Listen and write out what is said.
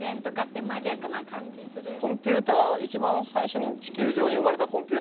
コンピューター一番最初に地球上に生まれたコンピューターは生物ですから。